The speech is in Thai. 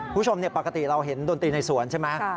คุณผู้ชมปกติเราเห็นดนตรีในสวนใช่ไหม